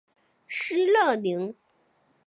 施乐灵。